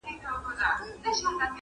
انتقام اخیستل نه بخښل یې شرط دی,